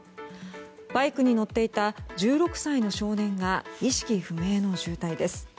バイクに乗っていた１６歳の少年が意識不明の重体です。